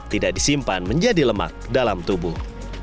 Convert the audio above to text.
tidak disimpan menjadi lemak dalam tubuh